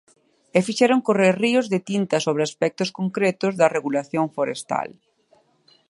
E fixeron correr ríos de tinta sobre aspectos concretos da regulación forestal.